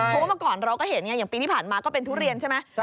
เพราะว่าเมื่อก่อนเราก็เห็นอย่างปีที่ผ่านมาก็เป็นทุเรียนใช่ไหม